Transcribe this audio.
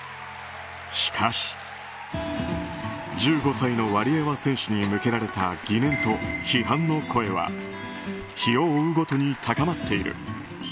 しかし、１５歳のワリエワ選手に向けられた疑念と批判の声は日を追うごとに高まっている。